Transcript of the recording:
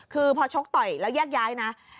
คือพอชกต่อยแล้วแยกย้ายนะ